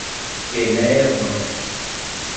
Enéas Marques